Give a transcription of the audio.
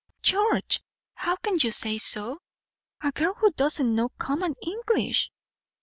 "George! How can you say so? A girl who doesn't know common English!"